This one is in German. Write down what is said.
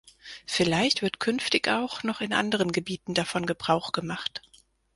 Vielleicht wird künftig auch noch in anderen Gebieten davon Gebrauch gemacht.